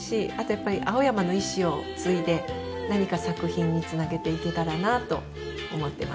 やっぱり青山の遺志を継いで何か作品につなげていけたらなと思ってます。